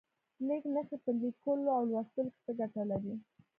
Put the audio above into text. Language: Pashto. لیک نښې په لیکلو او لوستلو کې څه ګټه لري؟